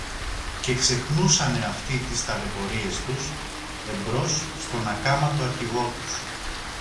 Και ξεχνούσανε αυτοί τις ταλαιπωρίες τους, εμπρός στον ακάματο αρχηγό τους.